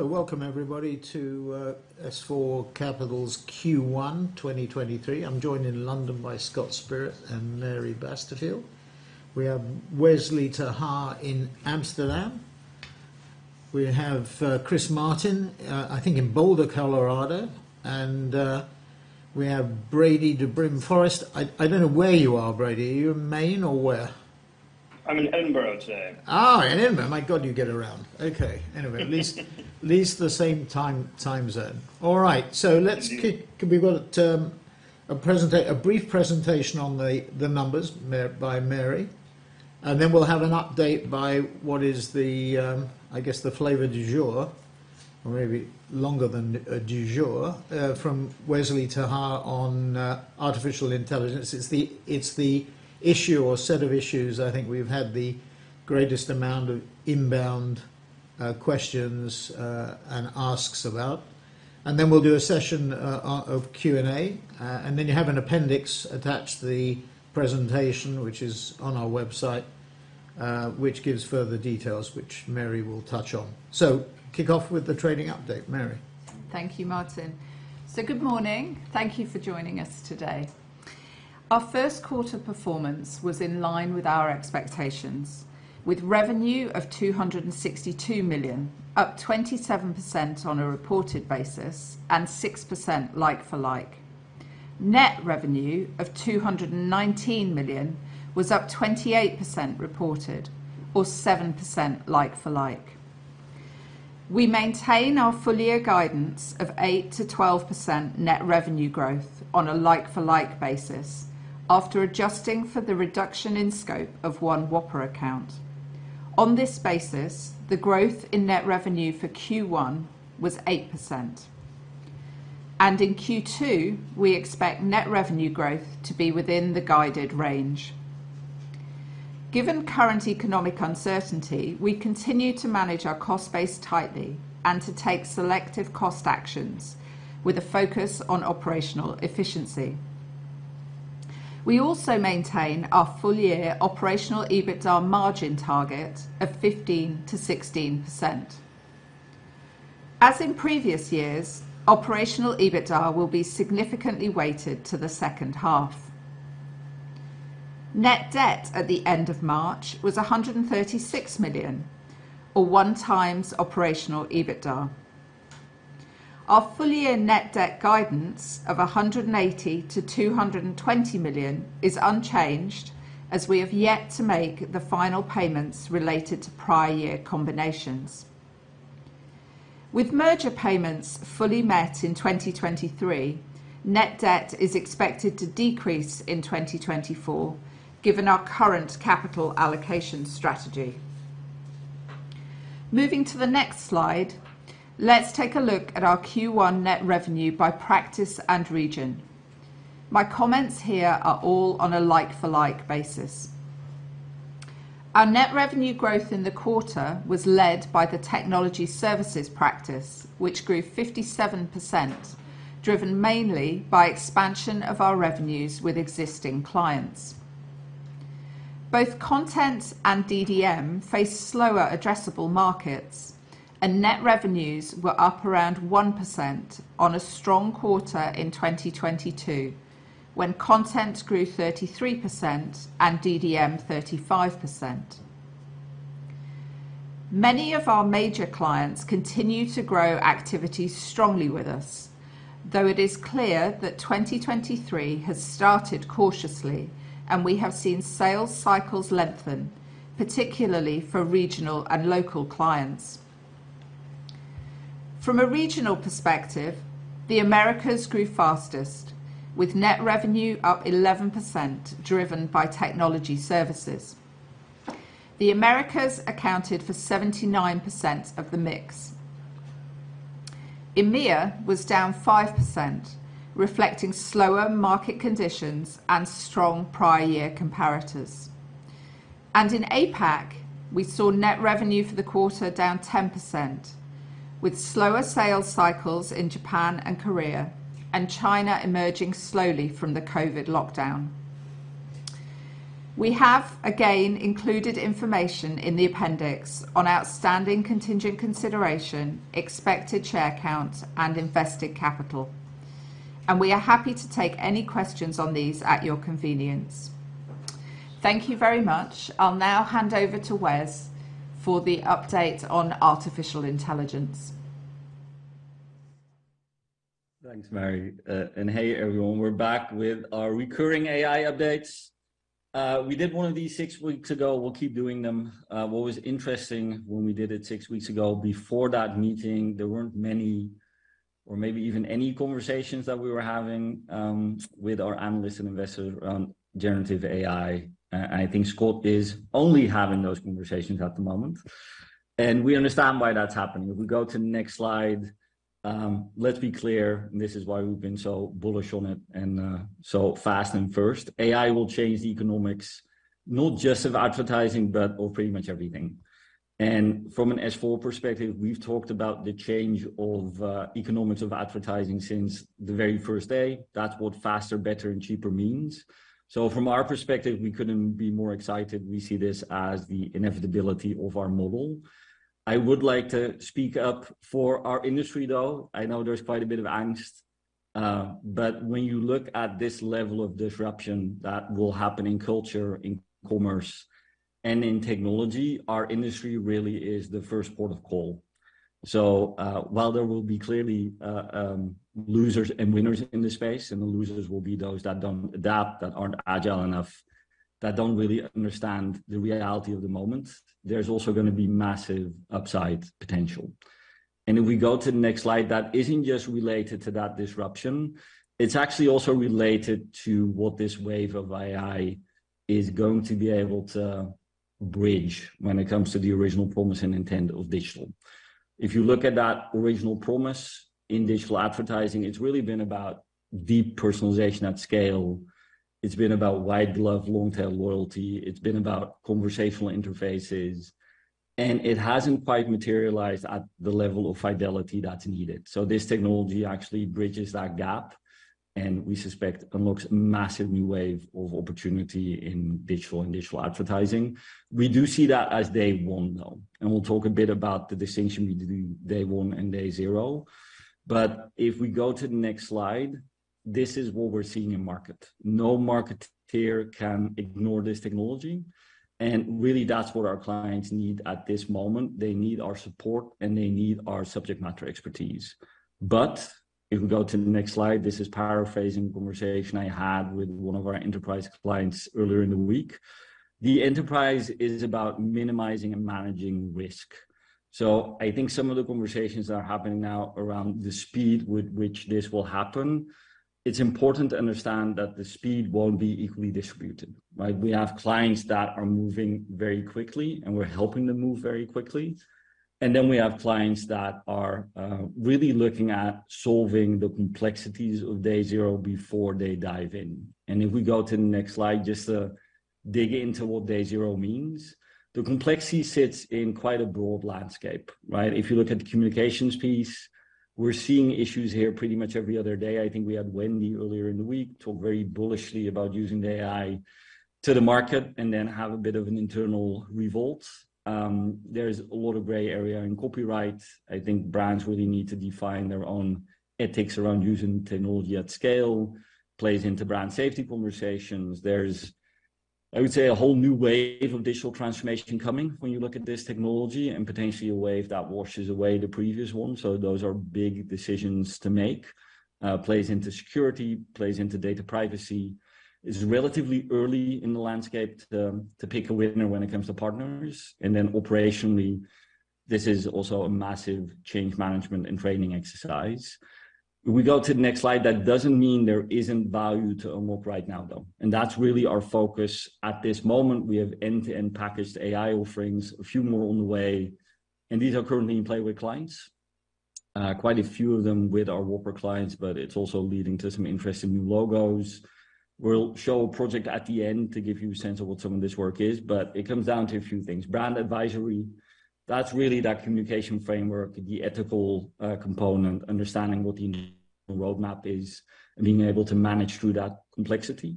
Welcome everybody to S4 Capital's Q1 2023. I'm joined in London by Scott Spirit and Mary Basterfield. We have Wesley ter Haar in Amsterdam. We have Chris Martin, I think in Boulder, Colorado, and we have Brady Brim-DeForest. I don't know where you are, Brady. Are you in Maine or where? I'm in Edinburgh today. In Edinburgh. My God, you get around. Okay. At least the same time zone. All right. Let's can we go to term, a brief presentation on the numbers by Mary, and then we'll have an update by what is the, I guess the flavor du jour or maybe longer than du jour, from Wesley ter Haar on artificial intelligence. It's the issue or set of issues I think we've had the greatest amount of inbound questions and asks about. Then we'll do a session of Q&A. Then you have an appendix attached to the presentation, which is on our website, which gives further details, which Mary will touch on. Kick off with the trading update, Mary. Thank you, Martin. Good morning. Thank you for joining us today. Our first quarter performance was in line with our expectations, with revenue of 262 million, up 27% on a reported basis and 6% like-for-like. Net revenue of 219 million was up 28% reported or 7% like-for-like. We maintain our full-year guidance of 8%-12% net revenue growth on a like-for-like basis after adjusting for the reduction in scope of one Whopper account. On this basis, the growth in net revenue for Q1 was 8%, and in Q2 we expect net revenue growth to be within the guided range. Given current economic uncertainty, we continue to manage our cost base tightly and to take selective cost actions with a focus on operational efficiency. We also maintain our full-year operational EBITDA margin target of 15%-16%. As in previous years, operational EBITDA will be significantly weighted to the second half. Net debt at the end of March was 136 million or 1x operational EBITDA. Our full-year net debt guidance of 180 million-220 million is unchanged as we have yet to make the final payments related to prior year combinations. With merger payments fully met in 2023, net debt is expected to decrease in 2024, given our current capital allocation strategy. Moving to the next slide, let's take a look at our Q1 net revenue by practice and region. My comments here are all on a like-for-like basis. Our net revenue growth in the quarter was led by the technology services practice, which grew 57%, driven mainly by expansion of our revenues with existing clients. Both Content and DDM faced slower addressable markets and net revenues were up around 1% on a strong quarter in 2022, when Content grew 33% and DDM 35%. Many of our major clients continue to grow activities strongly with us, though it is clear that 2023 has started cautiously and we have seen sales cycles lengthen, particularly for regional and local clients. From a regional perspective, the Americas grew fastest, with net revenue up 11%, driven by technology services. The Americas accounted for 79% of the mix. EMEA was down 5%, reflecting slower market conditions and strong prior year comparators. In APAC, we saw net revenue for the quarter down 10%, with slower sales cycles in Japan and Korea, and China emerging slowly from the COVID lockdown. We have again included information in the appendix on outstanding contingent consideration, expected share count and invested capital. We are happy to take any questions on these at your convenience. Thank you very much. I'll now hand over to Wes for the update on artificial intelligence. Thanks, Mary. Hey, everyone, we're back with our recurring AI updates. We did one of these six weeks ago. We'll keep doing them. What was interesting when we did it six weeks ago, before that meeting, there weren't many or maybe even any conversations that we were having with our analysts and investors around generative AI. I think Scott is only having those conversations at the moment, and we understand why that's happening. If we go to the next slide, let's be clear, and this is why we've been so bullish on it and so fast and first. AI will change the economics, not just of advertising, but of pretty much everything. From an S4 perspective, we've talked about the change of economics of advertising since the very first day. That's what faster, better and cheaper means. From our perspective, we couldn't be more excited. We see this as the inevitability of our model. I would like to speak up for our industry, though. I know there's quite a bit of angst. When you look at this level of disruption that will happen in culture, in commerce, and in technology, our industry really is the first port of call. While there will be clearly losers and winners in this space, and the losers will be those that don't adapt, that aren't agile enough, that don't really understand the reality of the moment, there's also gonna be massive upside potential. If we go to the next slide, that isn't just related to that disruption. It's actually also related to what this wave of AI is going to be able to bridge when it comes to the original promise and intent of digital. If you look at that original promise in digital advertising, it's really been about deep personalization at scale. It's been about white glove, long tail loyalty. It's been about conversational interfaces, and it hasn't quite materialized at the level of fidelity that's needed. This technology actually bridges that gap, and we suspect unlocks massive new wave of opportunity in digital and digital advertising. We do see that as day one though, and we'll talk a bit about the distinction between day one and day zero. If we go to the next slide, this is what we're seeing in market. No marketeer can ignore this technology. Really, that's what our clients need at this moment. They need our support, they need our subject matter expertise. If we go to the next slide, this is paraphrasing a conversation I had with one of our enterprise clients earlier in the week. The enterprise is about minimizing and managing risk. I think some of the conversations that are happening now around the speed with which this will happen, it's important to understand that the speed won't be equally distributed, right? We have clients that are moving very quickly, and we're helping them move very quickly. We have clients that are really looking at solving the complexities of day zero before they dive in. If we go to the next slide, just to dig into what day zero means. The complexity sits in quite a broad landscape, right? If you look at the communications piece, we're seeing issues here pretty much every other day. I think we had Wendy's earlier in the week talk very bullishly about using the AI to the market and then have a bit of an internal revolt. There is a lot of gray area in copyright. I think brands really need to define their own ethics around using technology at scale, plays into brand safety conversations. There's, I would say, a whole new wave of digital transformation coming when you look at this technology, and potentially a wave that washes away the previous one. Those are big decisions to make. Plays into security, plays into data privacy. It's relatively early in the landscape to pick a winner when it comes to partners. Then operationally, this is also a massive change management and training exercise. If we go to the next slide, that doesn't mean there isn't value to unlock right now, though, and that's really our focus at this moment. We have end-to-end packaged AI offerings, a few more on the way, and these are currently in play with clients. quite a few of them with our Whopper clients, but it's also leading to some interesting new logos. We'll show a project at the end to give you a sense of what some of this work is, but it comes down to a few things. Brand advisory, that's really that communication framework, the ethical component, understanding what the roadmap is and being able to manage through that complexity.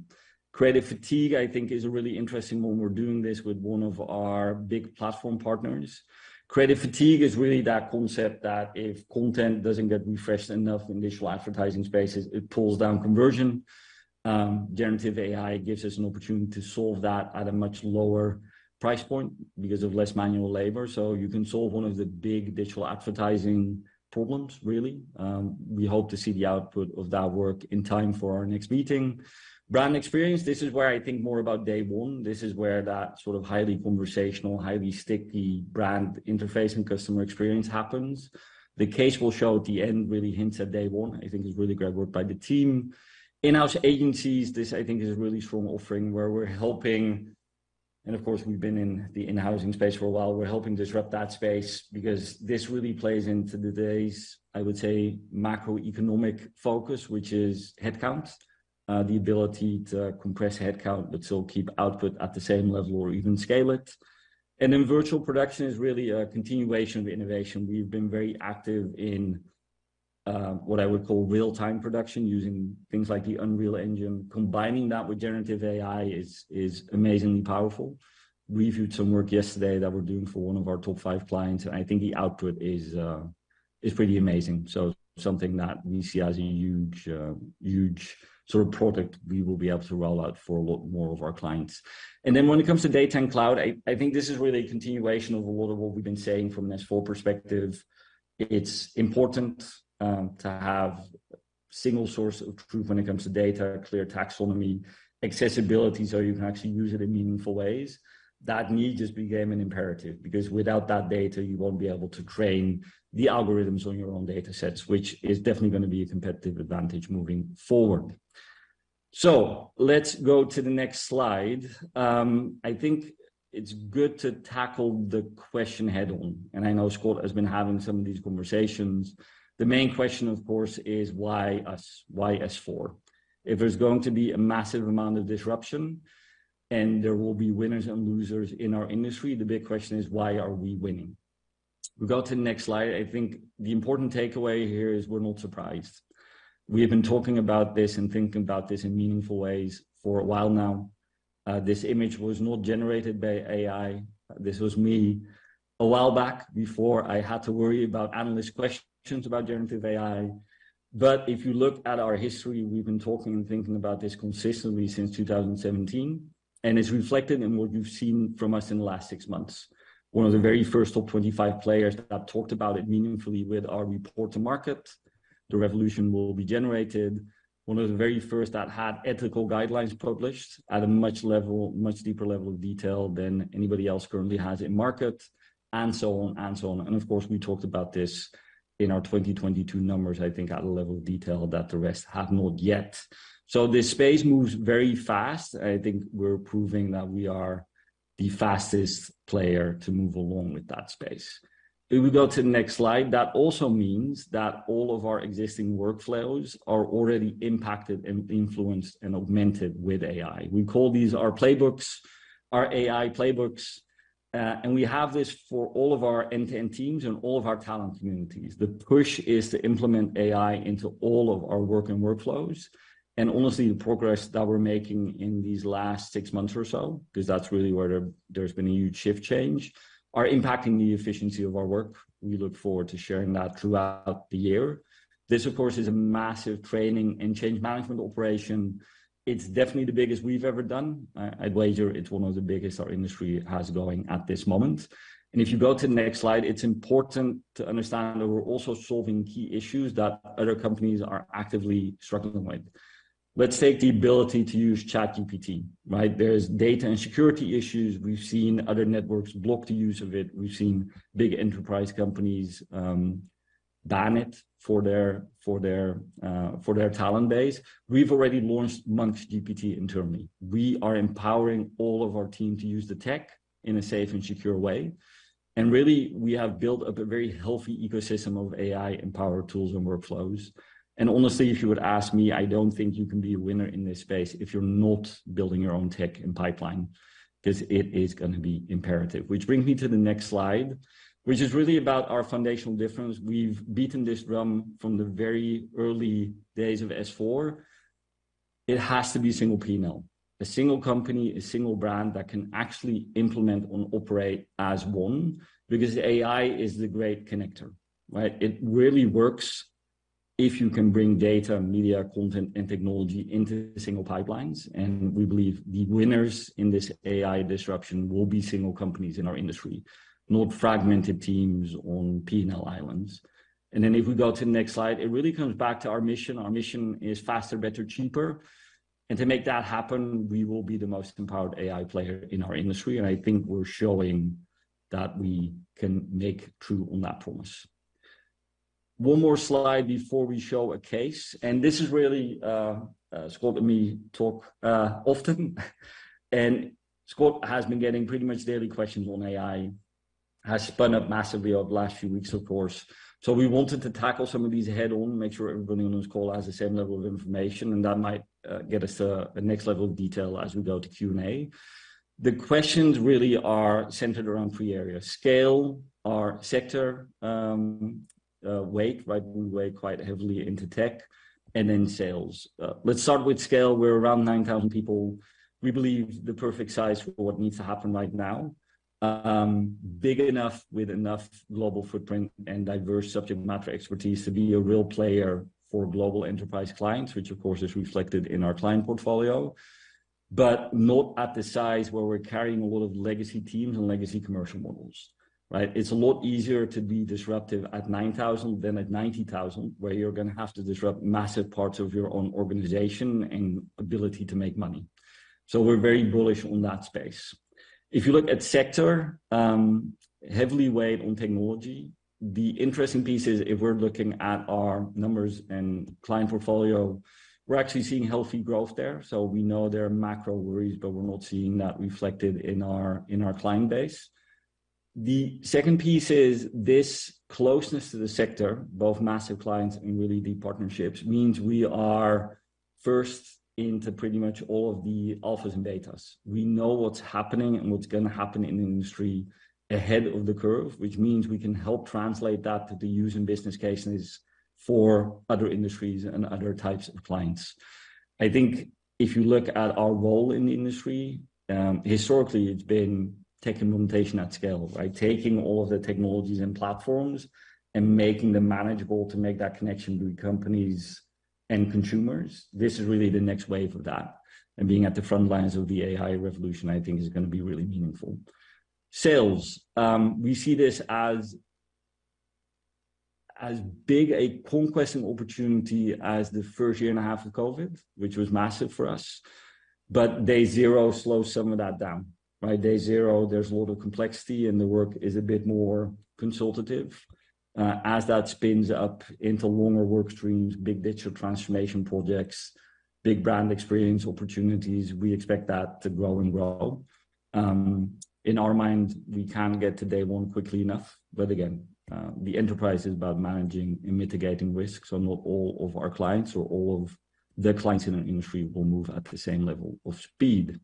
Creative fatigue, I think, is a really interesting one. We're doing this with one of our big platform partners. Creative fatigue is really that concept that if content doesn't get refreshed enough in digital advertising spaces, it pulls down conversion. Generative AI gives us an opportunity to solve that at a much lower price point because of less manual labor, so you can solve one of the big digital advertising problems, really. We hope to see the output of that work in time for our next meeting. Brand experience, this is where I think more about day one. This is where that sort of highly conversational, highly sticky brand interface and customer experience happens. The case we'll show at the end really hints at day one. I think it's really great work by the team. In-house agencies, this I think is a really strong offering where we're helping... Of course, we've been in the in-housing space for a while. We're helping disrupt that space because this really plays into today's, I would say, macroeconomic focus, which is headcount. The ability to compress headcount but still keep output at the same level or even scale it. Virtual production is really a continuation of innovation. We've been very active in what I would call real-time production using things like the Unreal Engine. Combining that with Generative AI is amazingly powerful. We reviewed some work yesterday that we're doing for one of our top five clients, and I think the output is pretty amazing. Something that we see as a huge, huge sort of product we will be able to roll out for a lot more of our clients. When it comes to data and cloud, I think this is really a continuation of a lot of what we've been saying from this full perspective. It's important to have single source of truth when it comes to data, clear taxonomy, accessibility, so you can actually use it in meaningful ways. That need just became an imperative because without that data, you won't be able to train the algorithms on your own datasets, which is definitely gonna be a competitive advantage moving forward. Let's go to the next slide. I think it's good to tackle the question head-on, and I know Scott has been having some of these conversations. The main question, of course, is why us? Why S4? If there's going to be a massive amount of disruption, and there will be winners and losers in our industry, the big question is, why are we winning? We go to the next slide. I think the important takeaway here is we're not surprised. We have been talking about this and thinking about this in meaningful ways for a while now. This image was not generated by AI. This was me a while back before I had to worry about analyst questions about generative AI. If you look at our history, we've been talking and thinking about this consistently since 2017, and it's reflected in what you've seen from us in the last six months. One of the very first top 25 players that talked about it meaningfully with our report to market, The Revolution Will Be Generated. One of the very first that had ethical guidelines published at a much deeper level of detail than anybody else currently has in market, and so on, and so on. Of course, we talked about this in our 2022 numbers, I think at a level of detail that the rest have not yet. This space moves very fast. I think we're proving that we are the fastest player to move along with that space. If we go to the next slide, that also means that all of our existing workflows are already impacted and influenced and augmented with AI. We call these our playbooks, our AI playbooks, and we have this for all of our end-to-end teams and all of our talent communities. The push is to implement AI into all of our work and workflows, honestly, the progress that we're making in these last 6 months or so, 'cause that's really where there's been a huge shift change, are impacting the efficiency of our work. We look forward to sharing that throughout the year. This, of course, is a massive training and change management operation. It's definitely the biggest we've ever done. Adobe, it's one of the biggest our industry has going at this moment. If you go to the next slide, it's important to understand that we're also solving key issues that other companies are actively struggling with. Let's take the ability to use ChatGPT, right? There's data and security issues. We've seen other networks block the use of it. We've seen big enterprise companies ban it for their talent base. We've already launched MunchGPT internally. We are empowering all of our team to use the tech in a safe and secure way. Really, we have built up a very healthy ecosystem of AI-empowered tools and workflows. Honestly, if you would ask me, I don't think you can be a winner in this space if you're not building your own tech and pipeline, 'cause it is gonna be imperative. Which brings me to the next slide, which is really about our foundational difference. We've beaten this drum from the very early days of S4. It has to be single P&L. A single company, a single brand that can actually implement and operate as one because AI is the great connector, right? It really works if you can bring data, media, content, and technology into single pipelines. We believe the winners in this AI disruption will be single companies in our industry, not fragmented teams on P&L islands. If we go to the next slide, it really comes back to our mission. Our mission is faster, better, cheaper. To make that happen, we will be the most empowered AI player in our industry, and I think we're showing that we can make true on that promise. One more slide before we show a case, and this is really, Scott and me talk often. Scott has been getting pretty much daily questions on AI, has spun up massively over the last few weeks, of course. We wanted to tackle some of these head-on, make sure everybody on this call has the same level of information, that might get us a next level of detail as we go to Q&A. The questions really are centered around three areas: scale, our sector, weight, right? We weigh quite heavily into tech and then sales. Let's start with scale. We're around 9,000 people. We believe the perfect size for what needs to happen right now. Big enough with enough global footprint and diverse subject matter expertise to be a real player for global enterprise clients, which of course is reflected in our client portfolio, but not at the size where we're carrying a lot of legacy teams and legacy commercial models, right? It's a lot easier to be disruptive at 9,000 than at 90,000, where you're gonna have to disrupt massive parts of your own organization and ability to make money. We're very bullish on that space. If you look at sector, heavily weighed on technology. The interesting piece is if we're looking at our numbers and client portfolio, we're actually seeing healthy growth there. We know there are macro worries, but we're not seeing that reflected in our client base. The second piece is this closeness to the sector, both massive clients and really deep partnerships, means we are first into pretty much all of the alphas and betas. We know what's happening and what's gonna happen in the industry ahead of the curve, which means we can help translate that to the use and business cases for other industries and other types of clients. I think if you look at our role in the industry, historically, it's been tech implementation at scale, right? Taking all of the technologies and platforms and making them manageable to make that connection between companies and consumers. This is really the next wave of that. Being at the front lines of the AI revolution, I think, is gonna be really meaningful. Sales. We see this as big a conquesting opportunity as the first year and a half of COVID, which was massive for us. Day zero slows some of that down, right? Day zero, there's a lot of complexity, and the work is a bit more consultative. As that spins up into longer work streams, big digital transformation projects, big brand experience opportunities, we expect that to grow and grow. In our mind, we can get to day one quickly enough. Again, the enterprise is about managing and mitigating risks, not all of our clients or all of the clients in our industry will move at the same level of speed.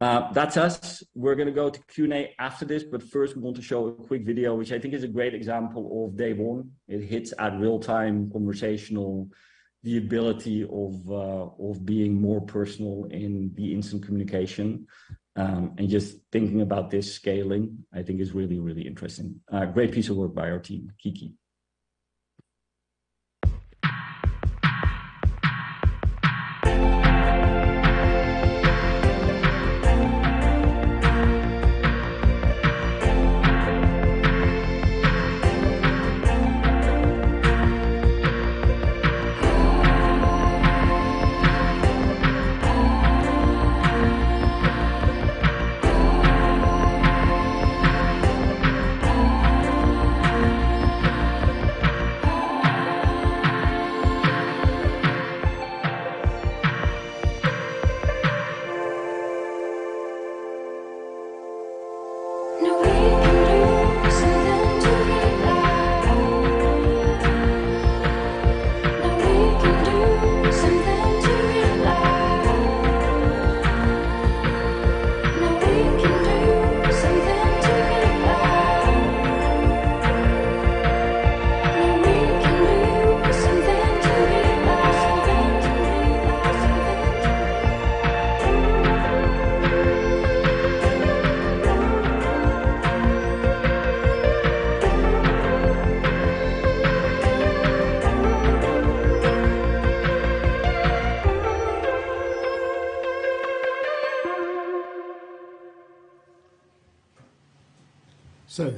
That's us. We're gonna go to Q&A after this, first we want to show a quick video, which I think is a great example of day one. It hits at real-time conversational, the ability of being more personal in the instant communication. Just thinking about this scaling, I think is really, really interesting. Great piece of work by our team, Kiki.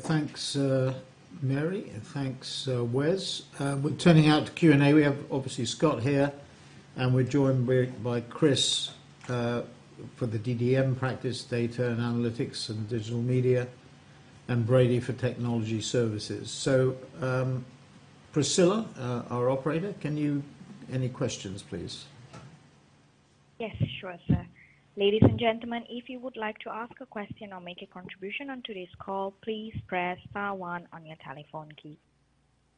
Thanks, Mary, and thanks, Wes. We're turning now to Q&A. We have obviously Scott here, and we're joined by Chris for the DDM practice, data and analytics and digital media, and Brady for technology services. Priscilla, our operator, any questions, please? Yes, sure, sir. Ladies and gentlemen, if you would like to ask a question or make a contribution on today's call, please press star one on your telephone key.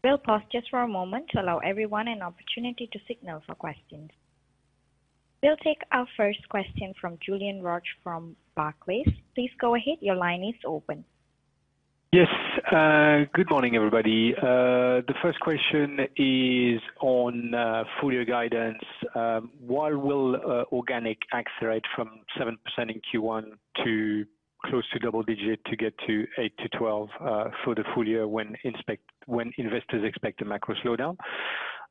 We'll pause just for a moment to allow everyone an opportunity to signal for questions. We'll take our first question from Julien Roch from Barclays. Please go ahead. Your line is open. Yes. Good morning, everybody. The first question is on full year guidance. Why will organic accelerate from 7% in Q1 to close to double digit to get to 8%-12% for the full year when investors expect a macro slowdown?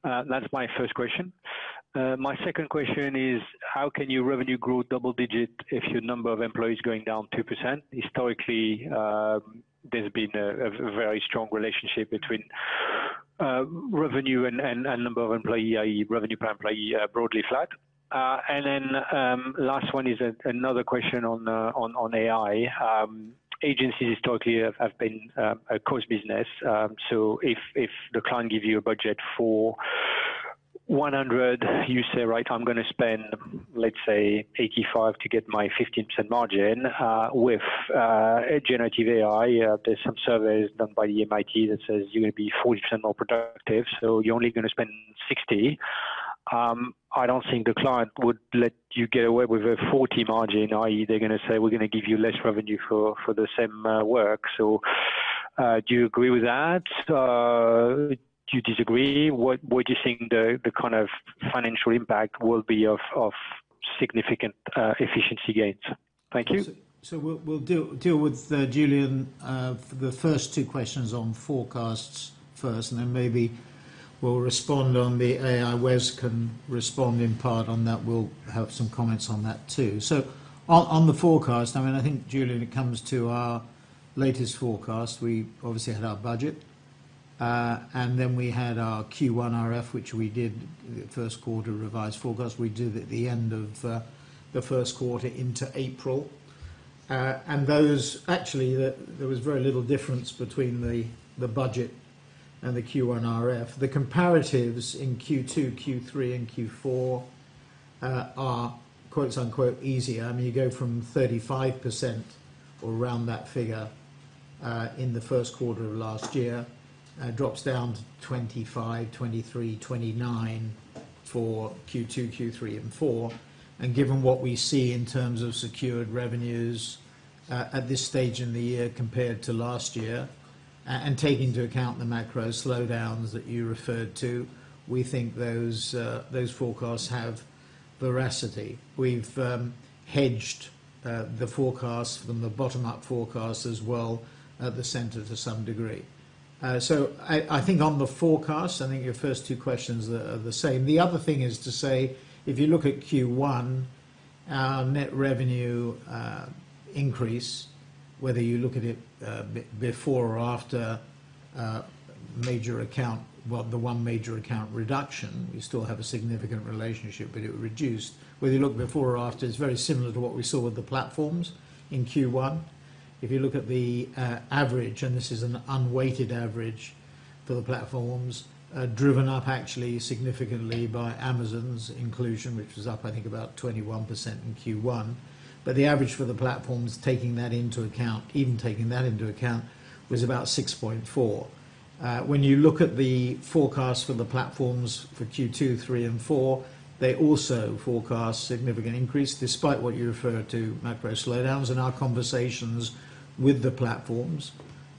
That's my first question. My second question is, how can you revenue grow double digit if your number of employees is going down 2%? Historically, there's been a very strong relationship between revenue and number of employee, i.e., revenue per employee, broadly flat. Last one is another question on AI. Agencies totally have been a cost business. If the client give you a budget for 100, you say, "Right, I'm gonna spend, let's say, 85 to get my 15% margin." With Generative AI, there's some surveys done by the MIT that says you're gonna be 40% more productive, so you're only gonna spend 60. I don't think the client would let you get away with a 40 margin, i.e., they're gonna say, "We're gonna give you less revenue for the same work." Do you agree with that? Do you disagree? What do you think the kind of financial impact will be of significant efficiency gains? Thank you. We'll deal with Julien, the first two questions on forecasts first, and then maybe we'll respond on the AI. Wes can respond in part on that. We'll have some comments on that too. On the forecast, I mean, I think Julien, it comes to our latest forecast. We obviously had our budget, and then we had our Q1 RF, which we did first quarter revised forecast. We did at the end of the first quarter into April. Those actually, there was very little difference between the budget and the Q1 RF. The comparatives in Q2, Q3, and Q4 are quotes unquote easier. I mean, you go from 35% or around that figure in the first quarter of last year. It drops down to 25%, 23%, 29% for Q2, Q3, and Q4. Given what we see in terms of secured revenues, at this stage in the year compared to last year, and take into account the macro slowdowns that you referred to, we think those forecasts have veracity. We've hedged the forecast from the bottom-up forecast as well at the center to some degree. I think on the forecast, I think your first 2 questions are the same. The other thing is to say, if you look at Q1, our net revenue increase, whether you look at it, before or after major account, well, the 1 major account reduction, you still have a significant relationship, but it would reduce. Whether you look before or after, it's very similar to what we saw with the platforms in Q1. If you look at the average, and this is an unweighted average for the platforms, driven up actually significantly by Amazon's inclusion, which was up I think about 21% in Q1. The average for the platforms, taking that into account, even taking that into account, was about 6.4%. When you look at the forecast for the platforms for Q2, 3, and 4, they also forecast significant increase despite what you refer to macro slowdowns. Our conversations with the platforms,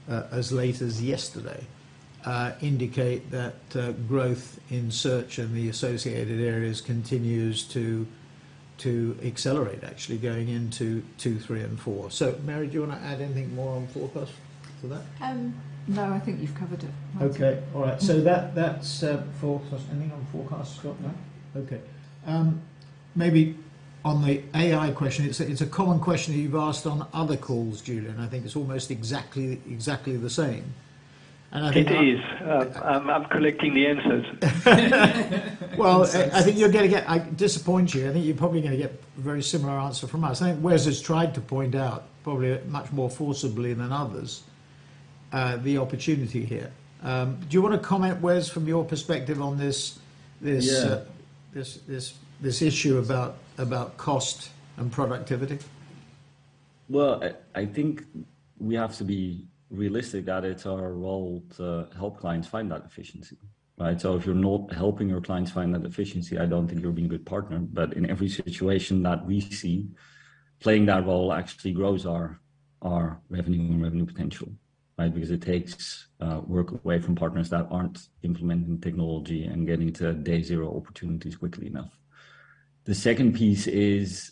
as late as yesterday, indicate that growth in search and the associated areas continues to accelerate actually going into 2, 3, and 4. Mary, do you want to add anything more on forecast to that? No, I think you've covered it. Okay. All right. That's forecast. Anything on forecast, Scott? No. Okay. Maybe on the AI question, it's a common question that you've asked on other calls, Julian. I think it's almost exactly the same. It is. I'm collecting the answers. Well, I disappoint you. I think you're probably gonna get a very similar answer from us. I think Wes has tried to point out, probably much more forcibly than others, the opportunity here. Do you wanna comment, Wes, from your perspective on this? Yeah. This issue about cost and productivity? I think we have to be realistic that it's our role to help clients find that efficiency, right? If you're not helping your clients find that efficiency, I don't think you're being a good partner. In every situation that we see, playing that role actually grows our revenue and revenue potential, right? Because it takes work away from partners that aren't implementing technology and getting to day zero opportunities quickly enough. The second piece is,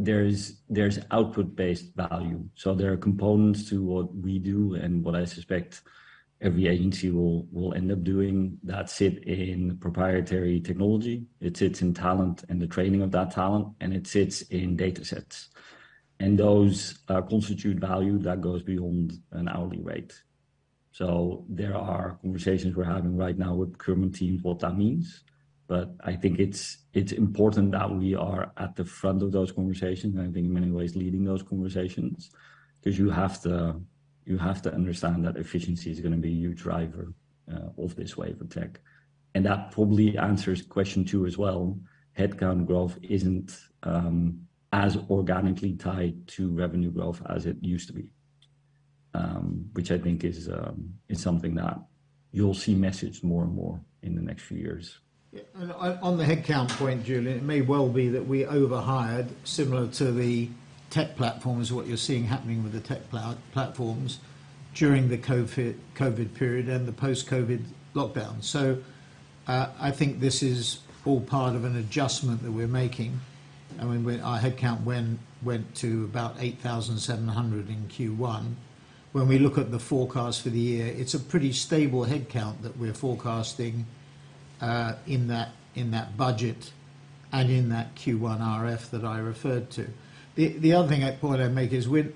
there's output-based value. There are components to what we do and what I suspect every agency will end up doing that sit in proprietary technology. It sits in talent and the training of that talent, and it sits in data sets. Those constitute value that goes beyond an hourly rate. there are conversations we're having right now with current teams what that means, but I think it's important that we are at the front of those conversations, and I think in many ways, leading those conversations. 'Cause you have to understand that efficiency is gonna be a huge driver of this wave of tech. That probably answers question 2 as well. Headcount growth isn't as organically tied to revenue growth as it used to be, which I think is something that you'll see messaged more and more in the next few years. Yeah. On the headcount point, Julien, it may well be that we overhired similar to the tech platforms, what you're seeing happening with the tech platforms during the COVID period and the post-COVID lockdown. I think this is all part of an adjustment that we're making. I mean, when our headcount went to about 8,700 in Q1. When we look at the forecast for the year, it's a pretty stable headcount that we're forecasting in that, in that budget and in that Q1 RF that I referred to. The other thing I'd point I'd make is we're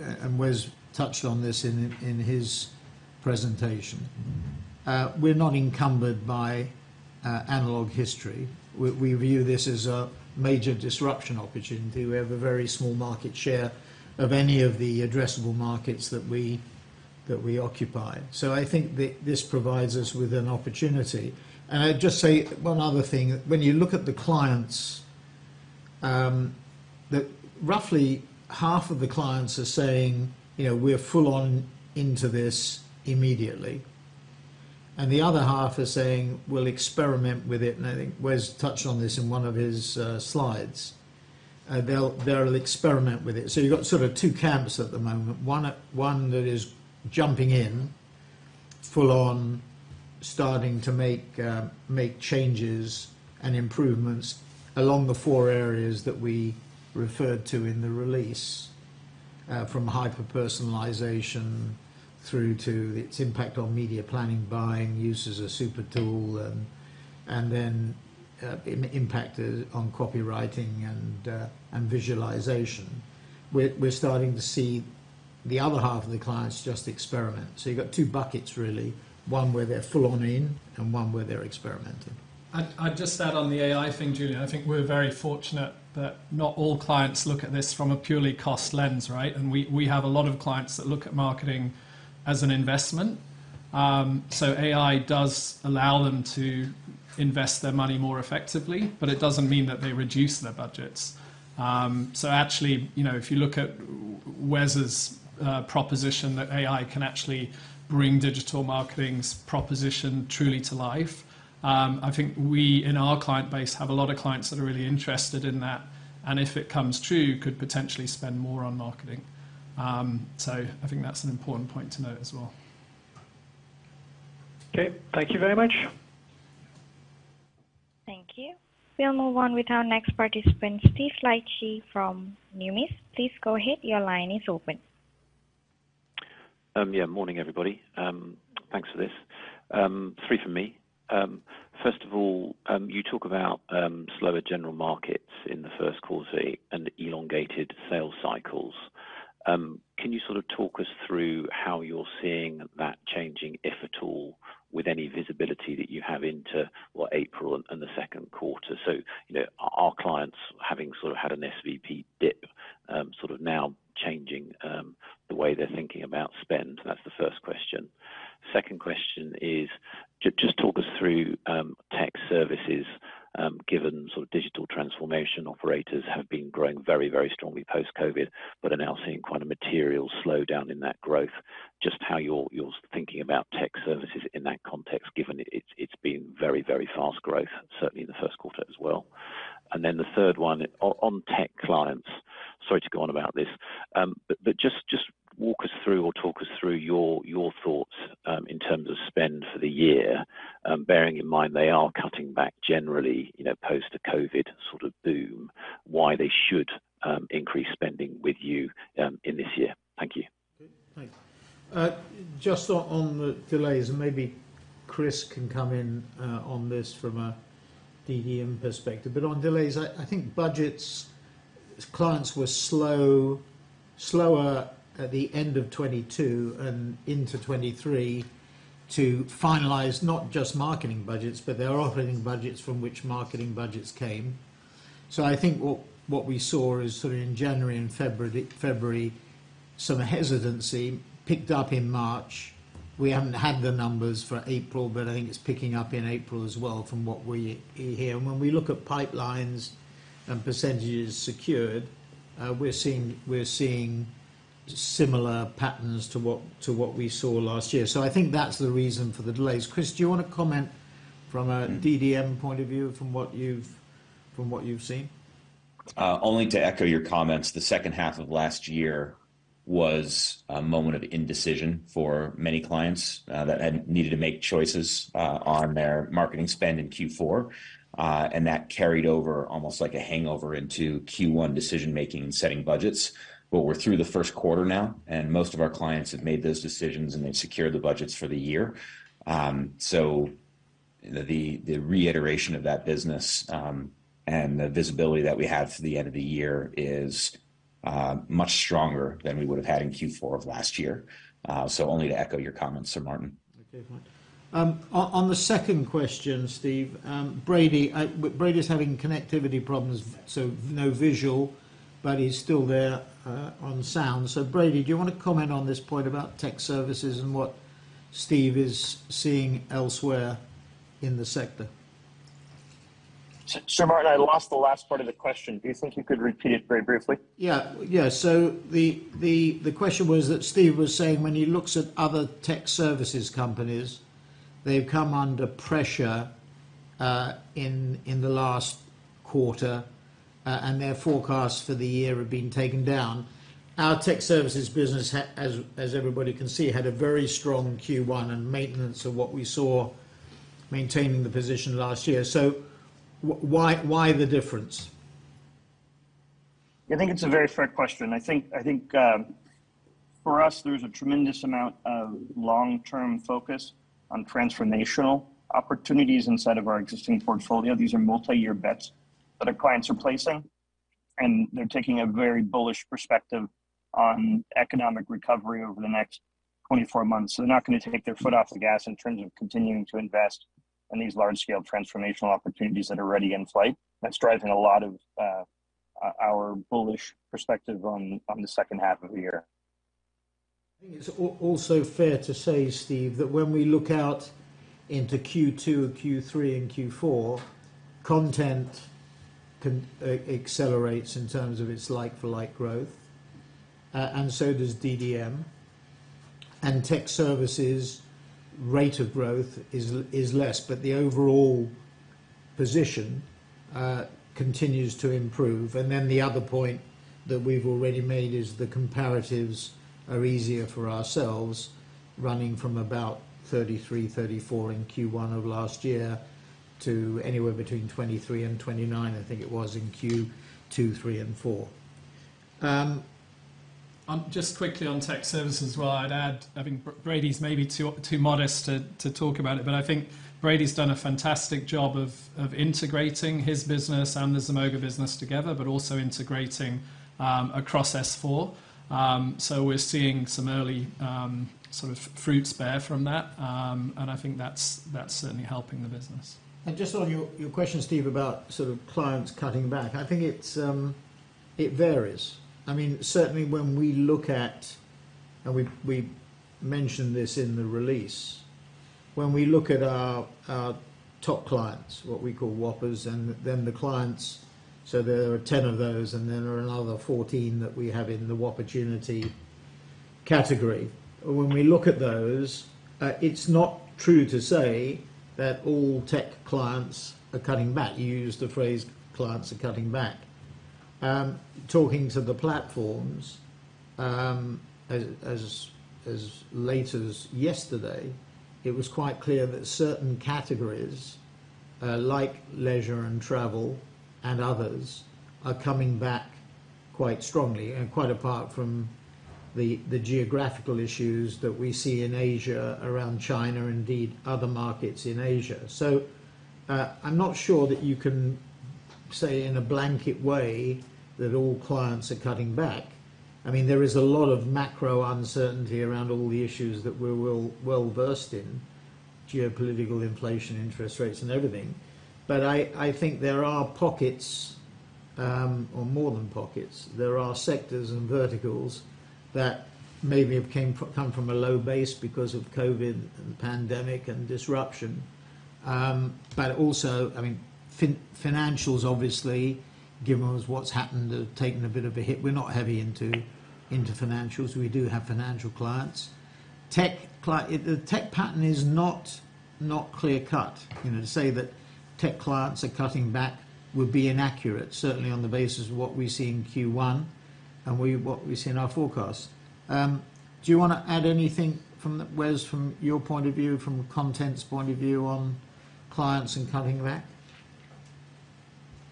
and Wes touched on this in his presentation. We're not encumbered by analog history. We view this as a major disruption opportunity. We have a very small market share of any of the addressable markets that we, that we occupy. I think this provides us with an opportunity. I'd just say one other thing. When you look at the clients, roughly half of the clients are saying, you know, "We're full on into this immediately." The other half are saying, "We'll experiment with it." I think Wes touched on this in one of his slides. They'll experiment with it. You've got sort of two camps at the moment, one that is jumping in full on, starting to make changes and improvements along the four areas that we referred to in the release, from hyper-personalization through to its impact on media planning buying, used as a super tool, and then impact on copywriting and visualization. We're starting to see the other half of the clients just experiment. You've got two buckets really, one where they're full on in and one where they're experimenting. I'd just add on the AI thing, Julien. I think we're very fortunate that not all clients look at this from a purely cost lens, right? We have a lot of clients that look at marketing as an investment. AI does allow them to invest their money more effectively, but it doesn't mean that they reduce their budgets. Actually, you know, if you look at Wes's proposition that AI can actually bring digital marketing's proposition truly to life, I think we, in our client base, have a lot of clients that are really interested in that, and if it comes true, could potentially spend more on marketing. I think that's an important point to note as well. Okay. Thank you very much. Thank you. We'll move on with our next participant, Steve Liechti from Numis. Please go ahead. Your line is open. Yeah, morning, everybody. Thanks for this. Three from me. First of all, you talk about slower general markets in the first quarter and elongated sales cycles. Can you sort of talk us through how you're seeing that changing, if at all, with any visibility that you have into, what, April and the second quarter? You know, are clients having sort of had an SVB dip, sort of now changing the way they're thinking about spend? That's the first question. Second question is just talk us through tech services, given sort of Digital transformation operators have been growing very, very strongly post-COVID, but are now seeing quite a material slowdown in that growth. Just how you're thinking about tech services in that context, given it's been very, very fast growth, certainly in the first quarter as well. The third one, on tech clients, sorry to go on about this, but just walk us through or talk us through your thoughts in terms of spend for the year, bearing in mind they are cutting back generally, you know, post the COVID sort of boom, why they should increase spending with you in this year. Thank you. Okay. Thanks. Just on the delays, maybe Chris can come in on this from a DDM perspective. On delays, I think Clients were slow, slower at the end of 22 and into 23 to finalize not just marketing budgets, but their operating budgets from which marketing budgets came. I think what we saw is sort of in January and February, some hesitancy picked up in March. We haven't had the numbers for April, but I think it's picking up in April as well from what we hear. When we look at pipelines and percentages secured, we're seeing similar patterns to what we saw last year. I think that's the reason for the delays. Chris, do you wanna comment from a DDM point of view from what you've, from what you've seen? Only to echo your comments. The second half of last year was a moment of indecision for many clients that had needed to make choices on their marketing spend in Q4. That carried over almost like a hangover into Q1 decision-making and setting budgets. We're through the first quarter now, and most of our clients have made those decisions, and they've secured the budgets for the year. The reiteration of that business and the visibility that we have for the end of the year is much stronger than we would've had in Q4 of last year. Only to echo your comments, Sir Martin. Okay, fine. On the second question, Steve. Brady's having connectivity problems, so no visual, but he's still there, on sound. Brady, do you wanna comment on this point about tech services and what Steve is seeing elsewhere in the sector? Sir Martin, I lost the last part of the question. Do you think you could repeat it very briefly? Yeah. Yeah. The question was that Steve was saying when he looks at other tech services companies, they've come under pressure in the last quarter, and their forecasts for the year have been taken down. Our tech services business as everybody can see, had a very strong Q1 and maintenance of what we saw maintaining the position last year. Why the difference? I think it's a very fair question. I think for us there's a tremendous amount of long-term focus on transformational opportunities inside of our existing portfolio. These are multi-year bets that our clients are placing, and they're taking a very bullish perspective on economic recovery over the next 24 months. They're not gonna take their foot off the gas in terms of continuing to invest in these large-scale transformational opportunities that are already in flight. That's driving a lot of our bullish perspective on the second half of the year. I think it's also fair to say, Steve, that when we look out into Q2 and Q3 and Q4, content accelerates in terms of its like-for-like growth, and so does DDM. Tech services rate of growth is less, but the overall position continues to improve. The other point that we've already made is the comparatives are easier for ourselves, running from about 33%, 34% in Q1 of last year to anywhere between 23% and 29%, I think it was, in Q2, three and four. Just quickly on technology services as well. I'd add, I think Brady's maybe too modest to talk about it, but I think Brady's done a fantastic job of integrating his business and the Zemoga business together, but also integrating across S4. We're seeing some early sort of fruits bear from that. I think that's certainly helping the business. Just on your question, Steve, about sort of clients cutting back, I think it's It varies. I mean, certainly when we look at, we mentioned this in the release. When we look at our top clients, what we call Whoppers, and then the clients, so there are 10 of those and there are another 14 that we have in the Whoppertunity category. When we look at those, it's not true to say that all tech clients are cutting back. You used the phrase, "Clients are cutting back." Talking to the platforms, as late as yesterday, it was quite clear that certain categories, like leisure and travel and others are coming back quite strongly and quite apart from the geographical issues that we see in Asia, around China, indeed other markets in Asia. I'm not sure that you can say in a blanket way that all clients are cutting back. I mean, there is a lot of macro uncertainty around all the issues that we're well versed in, geopolitical inflation, interest rates and everything. I think there are pockets, or more than pockets. There are sectors and verticals that maybe have come from a low base because of COVID and pandemic and disruption. But also, I mean, financials obviously, given us what's happened, have taken a bit of a hit. We're not heavy into financials. We do have financial clients. The tech pattern is not clear cut. You know, to say that tech clients are cutting back would be inaccurate, certainly on the basis of what we see in Q1 and what we see in our forecast. Do you wanna add anything from Wes, from your point of view, from Content's point of view on clients and cutting back?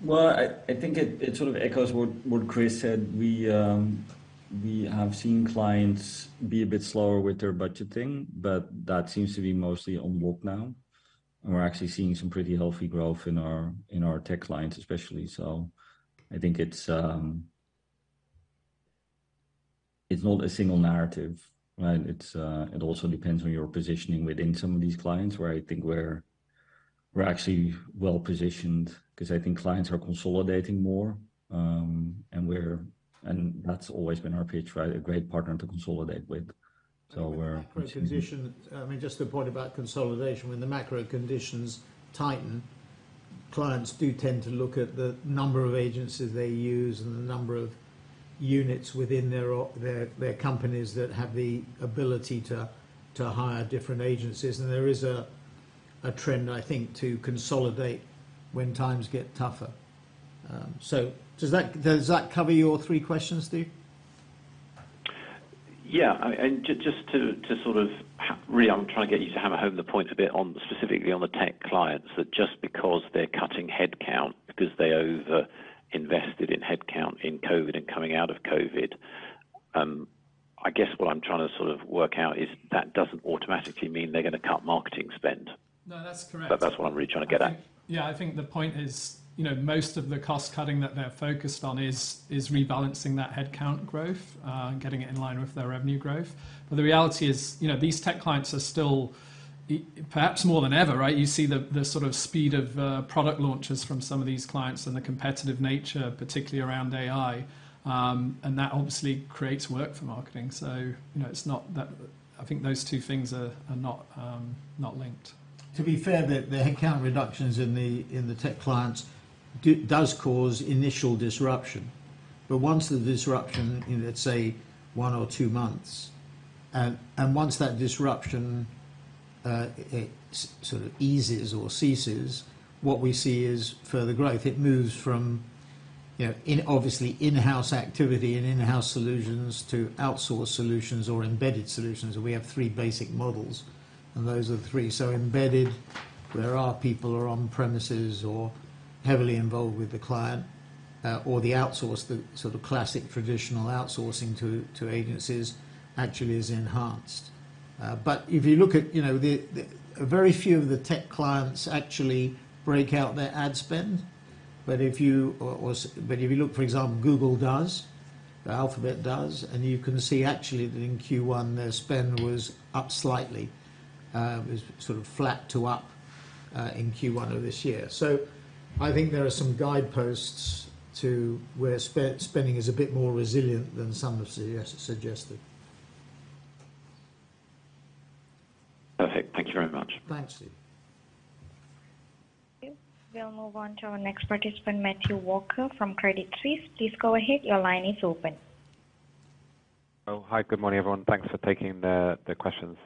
Well, I think it sort of echoes what Chris said. We have seen clients be a bit slower with their budgeting, but that seems to be mostly on Whopper now. We're actually seeing some pretty healthy growth in our, in our tech clients especially. I think it's not a single narrative, right? It's, it also depends on your positioning within some of these clients, where I think we're actually well-positioned 'cause I think clients are consolidating more. That's always been our pitch, right? A great partner to consolidate with. Macro position. I mean, just a point about consolidation. When the macro conditions tighten, clients do tend to look at the number of agencies they use and the number of units within their companies that have the ability to hire different agencies. There is a trend, I think, to consolidate when times get tougher. Does that cover your three questions, Steve? Yeah. Really, I'm trying to get you to hammer home the points a bit on, specifically on the tech clients. That just because they're cutting headcount, because they over-invested in headcount in COVID and coming out of COVID, I guess what I'm trying to sort of work out is that doesn't automatically mean they're gonna cut marketing spend. No, that's correct. That's what I'm really trying to get at. I think. Yeah, I think the point is, you know, most of the cost-cutting that they're focused on is rebalancing that headcount growth, and getting it in line with their revenue growth. The reality is, you know, these tech clients are still perhaps more than ever, right, you see the sort of speed of product launches from some of these clients and the competitive nature, particularly around AI, and that obviously creates work for marketing. You know, it's not that. I think those two things are not not linked. To be fair, the headcount reductions in the tech clients does cause initial disruption. Once the disruption, you know, let's say 1 or 2 months, and once that disruption, it sort of eases or ceases, what we see is further growth. It moves from, you know, obviously in-house activity and in-house solutions to outsourced solutions or embedded solutions. We have 3 basic models, and those are the 3. Embedded, where our people are on premises or heavily involved with the client, or the outsource, the sort of classic traditional outsourcing to agencies actually is enhanced. If you look at, you know, the Very few of the tech clients actually break out their ad spend. If you look, for example, Google does. Alphabet does. You can see actually that in Q1 their spend was up slightly. It was sort of flat to up in Q1 of this year. I think there are some guideposts to where spending is a bit more resilient than some have suggested. Perfect. Thank you very much. Thanks, Steve. Thank you. We'll move on to our next participant, Matthew Walker from Credit Suisse. Please go ahead. Your line is open. Hi. Good morning, everyone. Thanks for taking the questions.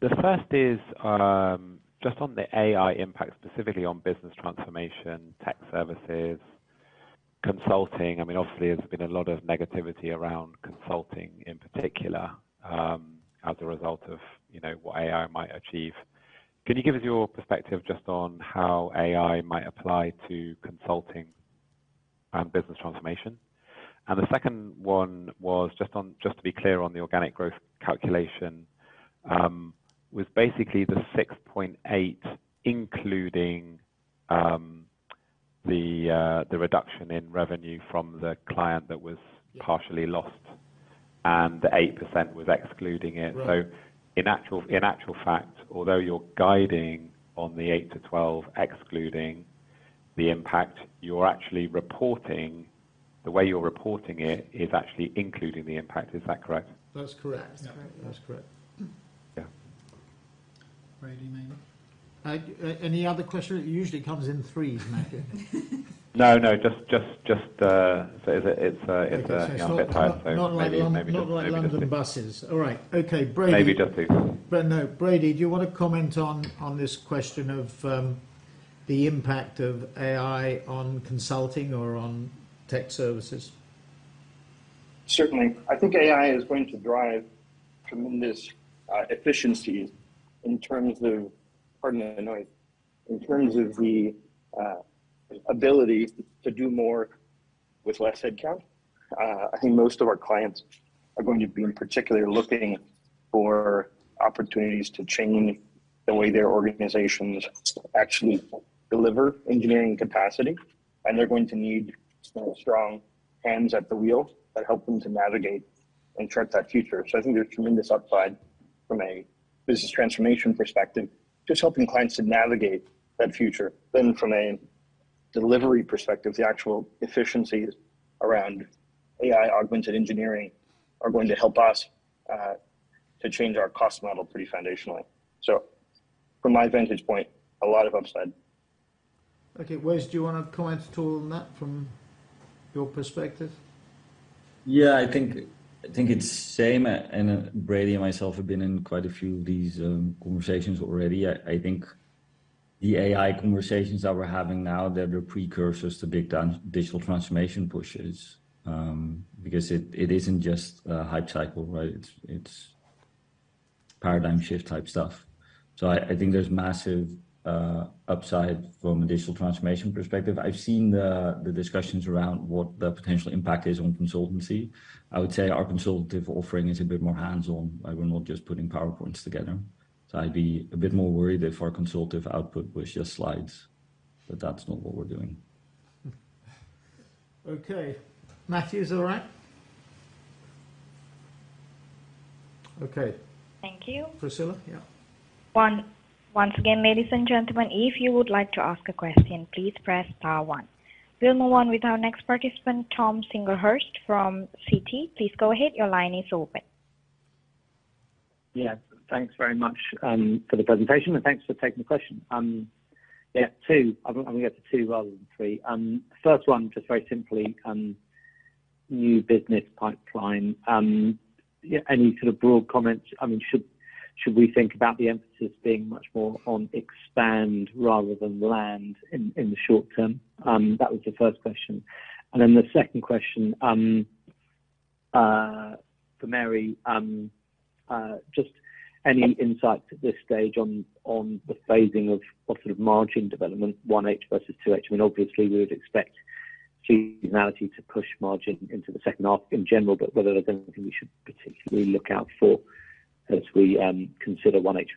The first is just on the AI impact, specifically on business transformation, tech services, consulting. I mean, obviously there's been a lot of negativity around consulting in particular, as a result of, you know, what AI might achieve. Can you give us your perspective just on how AI might apply to consulting and business transformation? The second one was just on, just to be clear on the organic growth calculation, was basically the 6.8% including the reduction in revenue from the client that was- Yeah. Partially lost, and the 8% was excluding it. Right. In actual fact, although you're guiding on the 8 to 12 excluding the impact, the way you're reporting it is actually including the impact. Is that correct? That's correct. That is correct, yeah. That's correct. Yeah. Brady, maybe. Any other questions? It usually comes in threes, Matthew. No, just it's. Okay. it's not like- Yeah, I'm a bit tired, so maybe just this. not like London buses. All right. Okay, Brady- Maybe just these ones. No. Brady, do you wanna comment on this question of the impact of AI on consulting or on tech services? Certainly. I think AI is going to drive tremendous efficiency in terms of... Pardon the noise. In terms of the ability to do more with less headcount. I think most of our clients are going to be in particular looking for opportunities to change the way their organizations actually deliver engineering capacity, and they're going to need, you know, strong hands at the wheel that help them to navigate and chart that future. I think there's tremendous upside from a business transformation perspective, just helping clients to navigate that future. From a delivery perspective, the actual efficiencies around AI-augmented engineering are going to help us to change our cost model pretty foundationally. From my vantage point, a lot of upside. Okay. Wes, do you wanna comment at all on that from your perspective? I think it's same. Brady and myself have been in quite a few of these conversations already. I think the AI conversations that we're having now, they're the precursors to big digital transformation pushes because it isn't just a hype cycle, right? It's paradigm shift type stuff. I think there's massive upside from a digital transformation perspective. I've seen the discussions around what the potential impact is on consultancy. I would say our consultative offering is a bit more hands-on, like we're not just putting PowerPoints together. I'd be a bit more worried if our consultative output was just slides, but that's not what we're doing. Okay. Matthew is all right? Okay. Thank you. Priscilla, yeah. Once again, ladies and gentlemen, if you would like to ask a question, please press star one. We'll move on with our next participant, Tom Singlehurst from Citi. Please go ahead. Your line is open. Thanks very much for the presentation, thanks for taking the question. I'm going to go for 2 rather than 3. First one, just very simply, new business pipeline. Any sort of broad comments? I mean, should we think about the emphasis being much more on expand rather than land in the short term? That was the first question. The second question for Mary, just any insight at this stage on the phasing of what sort of margin development, one H versus two H. I mean, obviously we would expect seasonality to push margin into the second half in general, whether there's anything we should particularly look out for as we consider one H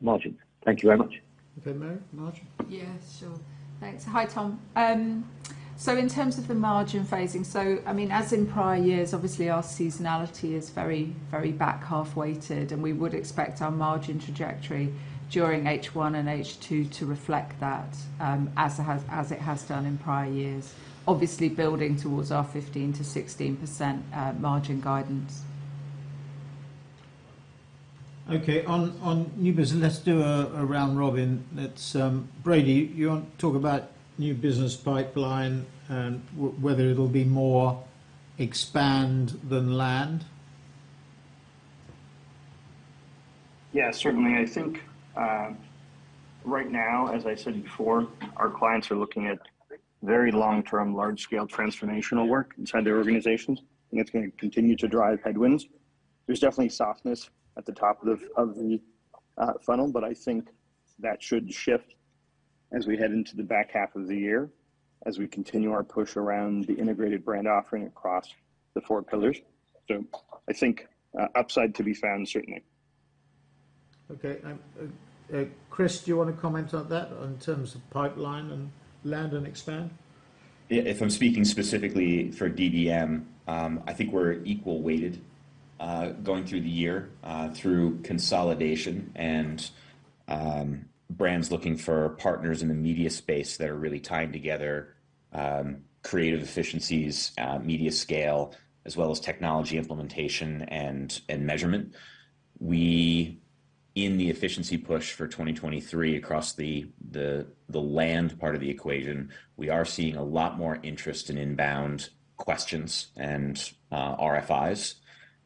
margin. Thank you very much. Okay. Mary, margin. Yeah, sure. Thanks. Hi, Tom. In terms of the margin phasing, I mean, as in prior years, obviously our seasonality is very, very back half weighted, and we would expect our margin trajectory during H1 and H2 to reflect that, as it has done in prior years. Obviously building towards our 15%-16% margin guidance. Okay. On new business, let's do a round robin. Let's Brady, you want to talk about new business pipeline and whether it'll be more expand than land? Yeah, certainly. I think, right now, as I said before, our clients are looking at very long-term, large-scale transformational work inside their organizations, and it's gonna continue to drive headwinds. There's definitely softness at the top of the funnel, I think that should shift as we head into the back half of the year, as we continue our push around the integrated brand offering across the four pillars. I think, upside to be found, certainly. Okay. Chris, do you wanna comment on that in terms of pipeline and land and expand? Yeah, if I'm speaking specifically for DDM, I think we're equal weighted going through the year through consolidation and brands looking for partners in the media space that are really tying together creative efficiencies, media scale, as well as technology implementation and measurement. We, in the efficiency push for 2023 across the land part of the equation, we are seeing a lot more interest in inbound questions and RFIs.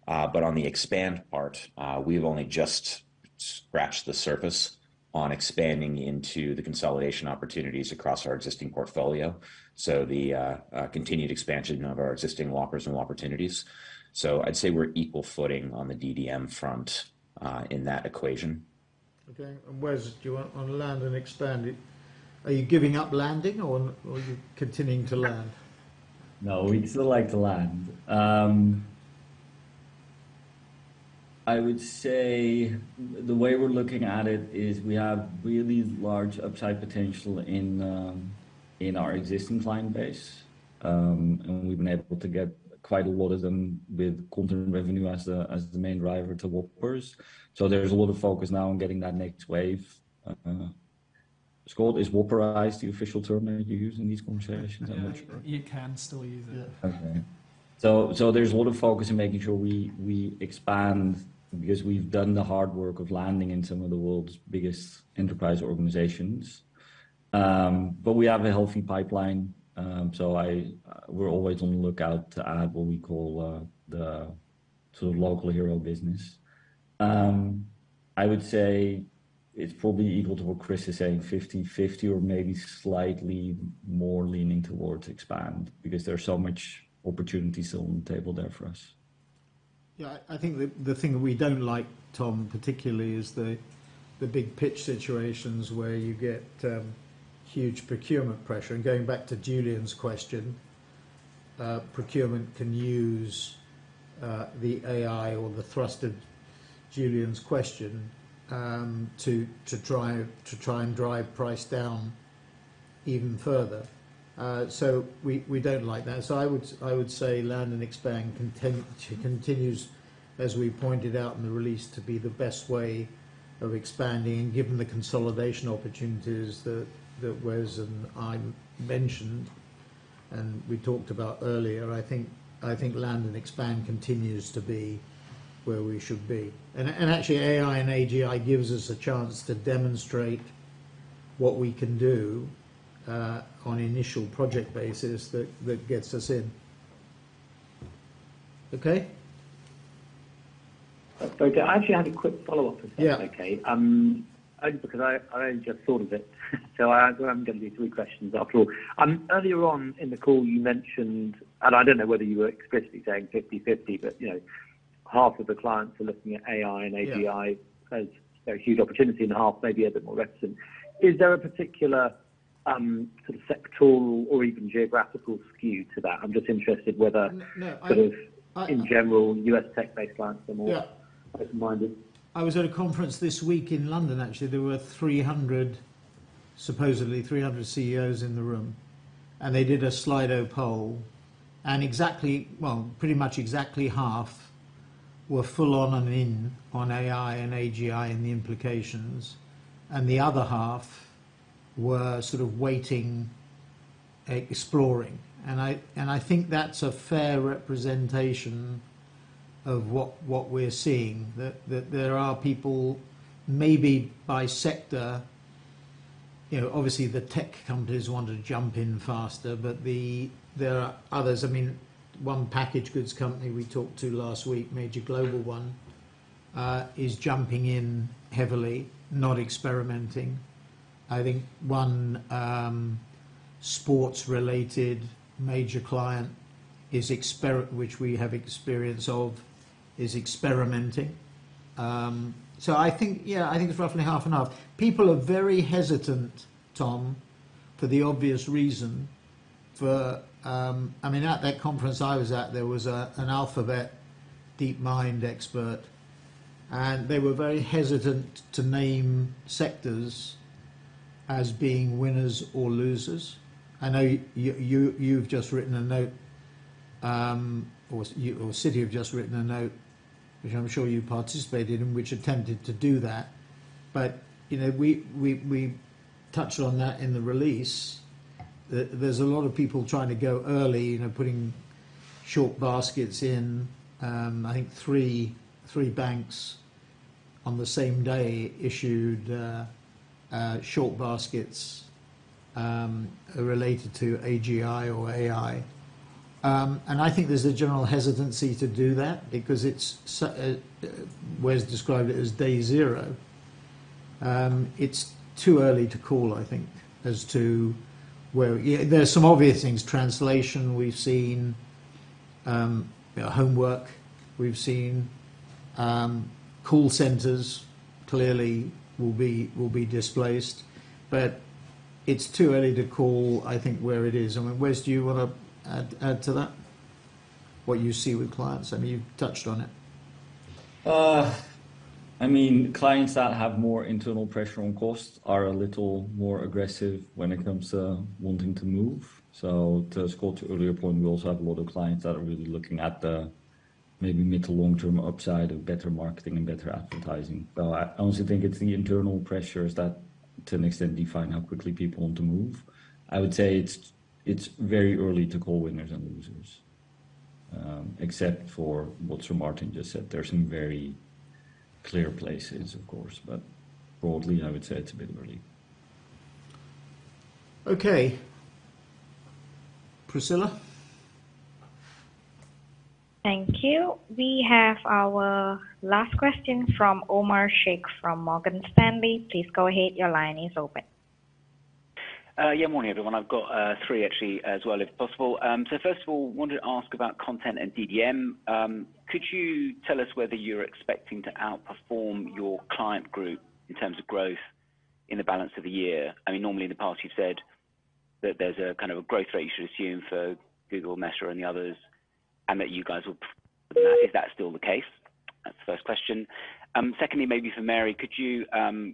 On the expand part, we've only just scratched the surface on expanding into the consolidation opportunities across our existing portfolio. The continued expansion of our existing Whoppers and opportunities. I'd say we're equal footing on the DDM front in that equation. Okay. Wes, do you want on land and expand it? Are you giving up landing or are you continuing to land? We still like to land. I would say the way we're looking at it is we have really large upside potential in our existing client base. We've been able to get quite a lot of them with Content revenue as the main driver to Whoppers. There's a lot of focus now on getting that next wave scored. Is Whopperize the official term that you use in these conversations? I'm not sure. Yeah. You can still use it. There's a lot of focus in making sure we expand because we've done the hard work of landing in some of the world's biggest enterprise organizations. We have a healthy pipeline, so we're always on the lookout to add what we call the sort of local hero business. I would say it's probably equal to what Chris is saying, 50/50 or maybe slightly more leaning towards expand because there are so much opportunities on the table there for us. Yeah. I think the thing we don't like, Tom, particularly is the big pitch situations where you get huge procurement pressure. Going back to Julien's question, procurement can use the AI or the thrust of Julien's question, to try and drive price down even further. We don't like that. I would say land and expand continues, as we pointed out in the release, to be the best way of expanding, given the consolidation opportunities that Wes and I mentioned and we talked about earlier. I think land and expand continues to be where we should be. Actually AI and AGI gives us a chance to demonstrate what we can do on initial project basis that gets us in. Okay? Okay. I actually had a quick follow-up if that's okay. Yeah. Only because I only just thought of it, so I am gonna do three questions after all. Earlier on in the call you mentioned, and I don't know whether you were explicitly saying 50/50, but, you know, half of the clients are looking at AI and AGI- Yeah ...as a huge opportunity and half maybe a bit more reticent. Is there a particular, sort of sectoral or even geographical skew to that? I'm just interested. No, I. ...sort of in general, U.S. tech-based clients are more- I don't mind it. I was at a conference this week in London, actually. There were 300, supposedly 300 CEOs in the room, they did a Slido poll, pretty much exactly half were full on and in on AI and AGI and the implications, and the other half were sort of waiting, exploring. I think that's a fair representation of what we're seeing. That there are people maybe by sector, you know, obviously the tech companies want to jump in faster. There are others. I mean, 1 package goods company we talked to last week, major global 1, is jumping in heavily, not experimenting. I think 1 sports-related major client which we have experience of, is experimenting. I think, yeah, I think it's roughly half and half. People are very hesitant, Tom, for the obvious reason for. I mean, at that conference I was at, there was an Alphabet DeepMind expert, and they were very hesitant to name sectors as being winners or losers. I know you've just written a note, or you or Citi have just written a note, which I'm sure you participated in, which attempted to do that. You know, we touched on that in the release. There's a lot of people trying to go early, you know, putting short baskets in. I think 3 banks on the same day issued short baskets, related to AGI or AI. I think there's a general hesitancy to do that because it's Wes described it as day zero. It's too early to call, I think, as to where. Yeah, there are some obvious things. Translation we've seen. Homework we've seen. Call centers clearly will be displaced. It's too early to call, I think, where it is. I mean, Wes, do you wanna add to that? What you see with clients? I mean, you've touched on it. I mean, clients that have more internal pressure on costs are a little more aggressive when it comes to wanting to move. To Scott's earlier point, we also have a lot of clients that are really looking at the maybe mid to long-term upside of better marketing and better advertising. I honestly think it's the internal pressures that to an extent define how quickly people want to move. I would say it's very early to call winners and losers. Except for what Sir Martin just said. There are some very clear places, of course. Broadly, I would say it's a bit early. Okay. Priscilla? Thank you. We have our last question from Omar Sheikh from Morgan Stanley. Please go ahead. Your line is open. Yeah. Morning, everyone. I've got three actually as well, if possible. First of all, wanted to ask about Content and DDM. Could you tell us whether you're expecting to outperform your client group in terms of growth in the balance of the year? I mean, normally in the past you've said that there's a kind of a growth rate you should assume for Google, Meta and the others, and that you guys will Is that still the case? That's the first question. Secondly, maybe for Mary, could you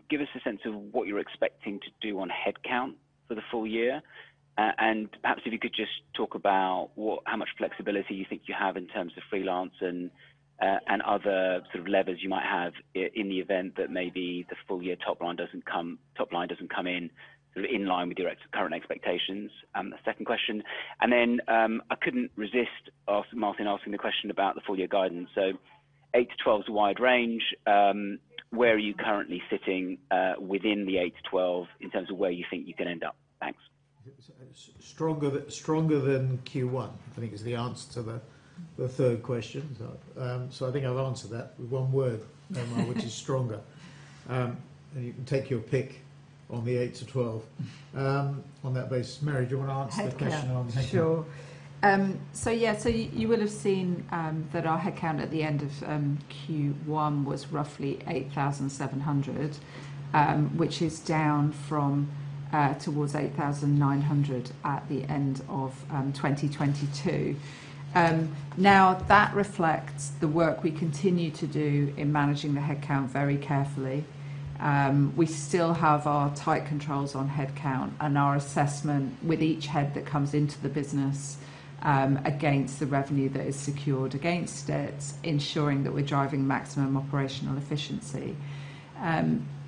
give us a sense of what you're expecting to do on headcount for the full year? Perhaps if you could just talk about what... How much flexibility you think you have in terms of freelance and other sort of levers you might have in the event that maybe the full year top line doesn't come in sort of in line with your current expectations? The second question. I couldn't resist asking Martin the question about the full year guidance. 8%-12% is a wide range. Where are you currently sitting within the 8%-12% in terms of where you think you're gonna end up? Thanks. Stronger than Q1, I think is the answer to the third question. I think I've answered that with one word, Omar, which is stronger. You can take your pick on the 8-12 on that basis. Mary, do you want to answer the question on headcount? Headcount. Sure. Yeah, you will have seen that our headcount at the end of Q1 was roughly 8,700, which is down from towards 8,900 at the end of 2022. That reflects the work we continue to do in managing the headcount very carefully. We still have our tight controls on headcount and our assessment with each head that comes into the business, against the revenue that is secured against it, ensuring that we're driving maximum operational efficiency.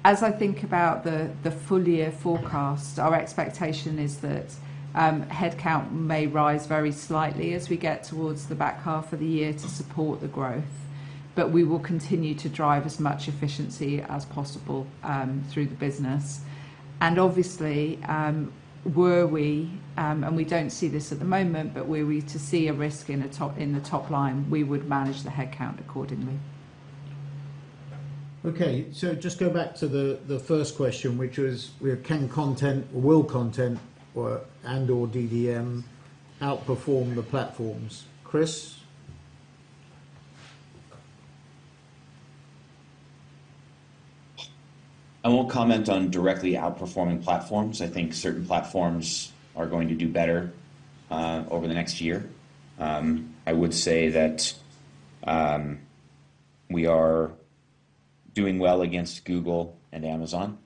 As I think about the full year forecast, our expectation is that headcount may rise very slightly as we get towards the back half of the year to support the growth. We will continue to drive as much efficiency as possible through the business. Obviously, were we, and we don't see this at the moment, but were we to see a risk in the top line, we would manage the headcount accordingly. Okay. Just go back to the first question, which was, you know, can Content or will Content or, and/or DDM outperform the platforms? Chris? I won't comment on directly outperforming platforms. I think certain platforms are going to do better over the next year. I would say that we are doing well against Google and Amazon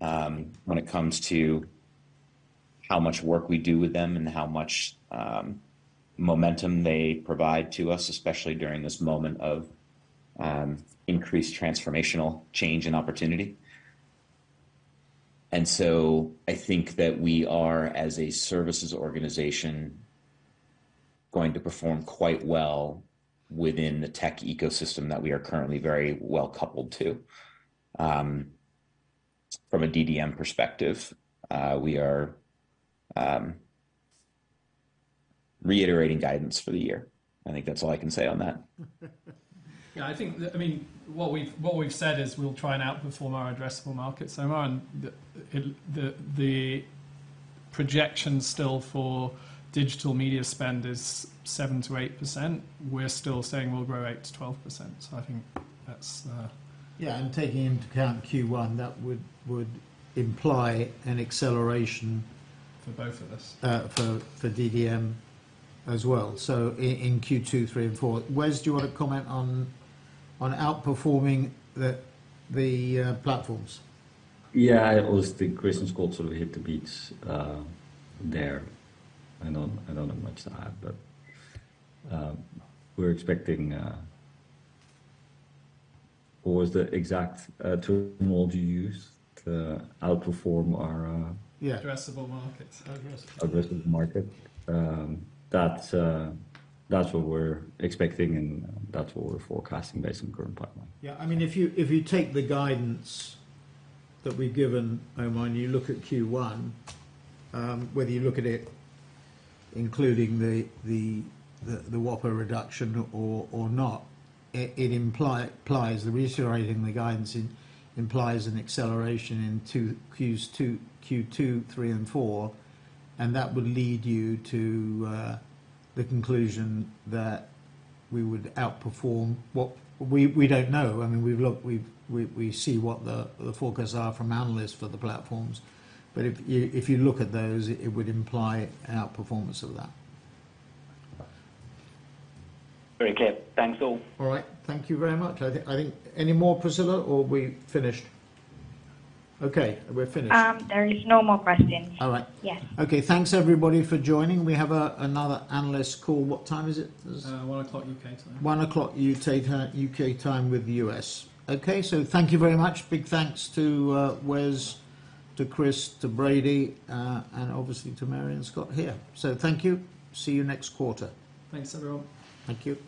when it comes to how much work we do with them and how much momentum they provide to us, especially during this moment of increased transformational change and opportunity. I think that we are, as a services organization, going to perform quite well within the tech ecosystem that we are currently very well coupled to. From a DDM perspective, we are reiterating guidance for the year. I think that's all I can say on that. Yeah, I think I mean, what we've said is we'll try and outperform our addressable markets. Omar Sheikh, the projection still for digital media spend is 7%-8%. We're still saying we'll grow 8%-12%. I think that's. Yeah, taking into account Q1, that would imply an acceleration. For both of us.... for DDM as well. In Q2, 3 and 4. Wes, do you wanna comment on outperforming the platforms? Yeah. I always think Chris's call sort of hit the beats there. I don't have much to add, but, we're expecting. What was the exact term, Omar, did you use to outperform our. Yeah. Addressable markets. Addressable. Addressable market. That's what we're expecting, and that's what we're forecasting based on current pipeline. I mean, if you, if you take the guidance that we've given, Omar Sheikh, you look at Q1, whether you look at it including the Whopper reduction or not, it implies the reiterating the guidance it implies an acceleration in Q2, 3, and 4, and that would lead you to the conclusion that we don't know. I mean, we've looked, we see what the forecasts are from analysts for the platforms. If you look at those, it would imply an outperformance of that. Very clear. Thanks all. All right. Thank you very much. I think. Any more, Priscilla, or are we finished? Okay. We're finished. there is no more questions. All right. Yes. Okay. Thanks everybody for joining. We have another analyst call. What time is it, Chris? 1:00 U.K. time. 1:00 U.K. time with the U.S. Okay. Thank you very much. Big thanks to Wes, to Chris, to Brady, and obviously to Mary and Scott here. Thank you. See you next quarter. Thanks, everyone. Thank you.